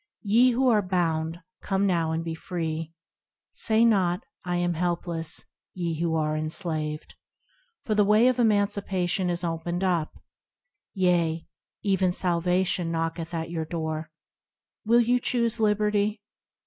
Ye who are bound, come now and be free ; Say not, "I am helpless", ye who are enslaved, For the way of emancipation is opened up, Yea, even salvation knocketh at your door. Will you choose liberty